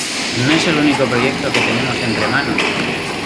No es el único proyecto que tenemos entre manos.